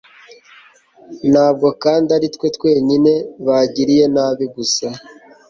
nta bwo kandi ari twe twenyine bagiriye nabi gusa